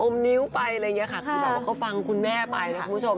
อมนิ้วไปหลายอย่างงี้ค่ะแบบว่าก็ฟังคุณแม่ไปคุณผู้ชม